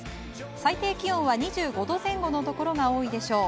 最低気温は２５度前後のところが多いでしょう。